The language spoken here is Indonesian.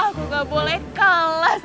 aku gak boleh kalah sama rasa sakit ini